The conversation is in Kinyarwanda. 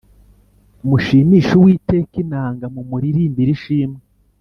Mushimishe uwiteka inanga, mumurimbire ishimwe